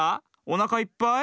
おなかいっぱい？